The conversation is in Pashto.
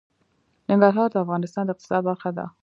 ننګرهار د افغانستان د اقتصاد برخه ده.